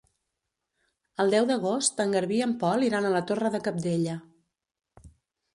El deu d'agost en Garbí i en Pol iran a la Torre de Cabdella.